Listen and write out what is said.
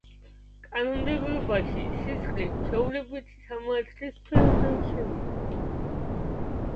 კანონმდებლობაში „სისხლი“ ჩვეულებითი სამართლის სფეროდან შევიდა.